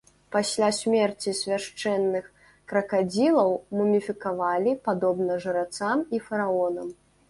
Пасля смерці свяшчэнных кракадзілаў муміфікавалі, падобна жрацам і фараонам.